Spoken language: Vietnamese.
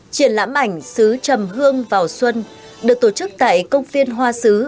triển lãm ảnh sứ trầm hương vào xuân được tổ chức tại công viên hoa sứ